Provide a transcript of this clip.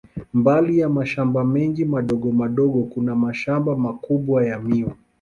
Mbali ya mashamba mengi madogo madogo, kuna mashamba makubwa ya miwa.